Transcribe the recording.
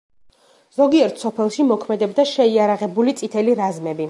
ზოგიერთ სოფელში მოქმედებდა შეიარაღებული „წითელი რაზმები“.